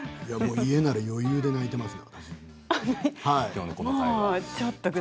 家なら余裕で泣いていますよ。